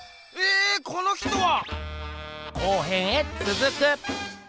この人は！